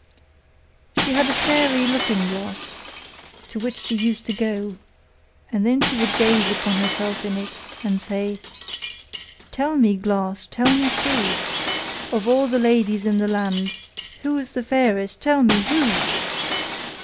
She had a fairy looking glass, to which she used to go, and then she would gaze upon herself in it, and say: 'Tell me, glass, tell me true! Of all the ladies in the land, Who is fairest, tell me, who?